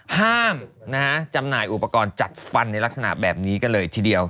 ห้ามนะฮะจำหน่ายอุปกรณ์จัดฟันในลักษณะแบบนี้ก็เลยทีเดียว